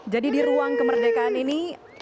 jadi di ruang kemerdekaan ini